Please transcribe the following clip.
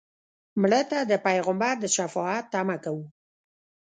مړه ته د پیغمبر د شفاعت تمه کوو